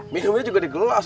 minumnya juga digelas